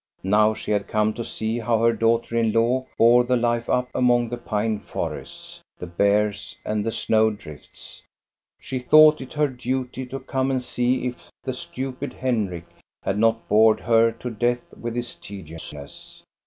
Now she had come to see how her daughter in law bore the life up among the pine forests, the bears, and the snow drifts. She thought it her duty to come and see if the stupid Henrik had not bored her to death with his tediousness.